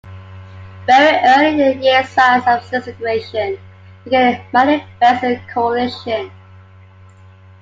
Very early in the year signs of disintegration became manifest in the coalition.